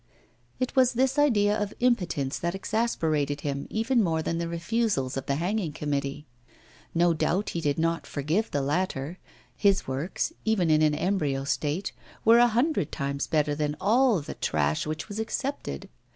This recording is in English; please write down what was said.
It was this idea of impotence that exasperated him even more than the refusals of the hanging committee. No doubt he did not forgive the latter; his works, even in an embryo state, were a hundred times better than all the trash which was accepted.